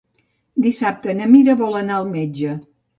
Dissabte na Mira vol anar al metge.